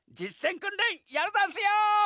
くんれんやるざんすよ！